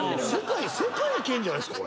世界いけんじゃないっすか？